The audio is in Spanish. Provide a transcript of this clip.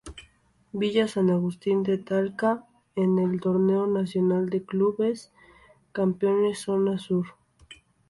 Villa San Agustín de Talca en el Torneo Nacional de Clubes Campeones Zona Sur.